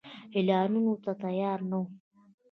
اعلانولو ته تیار نه وو.